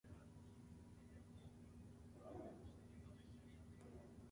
When the squares were shown, the participant spoke the name of the color.